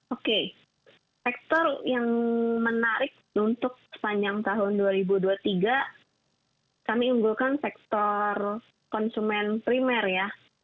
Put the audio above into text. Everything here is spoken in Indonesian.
oke sektor yang menarik untuk sepanjang tahun dua ribu dua puluh tiga kami unggulkan sektor konsumen primer ya